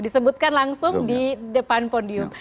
disebutkan langsung di depan podium